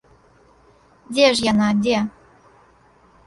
Дзе ж яна, дзе?